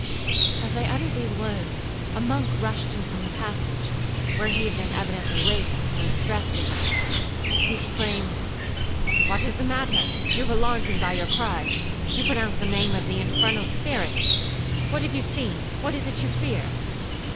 As I uttered these words, a monk rushed in from the passage, (where he had been evidently waiting, for his dress was on). He exclaimed, 'What is the matter? You have alarmed me by your cries,—you pronounced the name of the infernal spirit,—what have you seen? what is it you fear?'